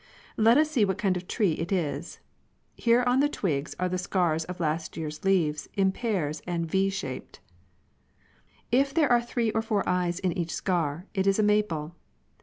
Let us see what kind of a tree it is. Here on the twigs are the scars of last year's leaves, in pairs and V shaped (Fig. i). If there are three or four eyes in each scar, it is a maple.